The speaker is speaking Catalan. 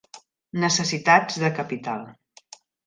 Necessitats de capital.